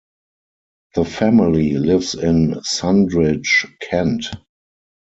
The family lives in Sundridge, Kent.